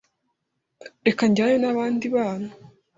Reka njyane nabandi bana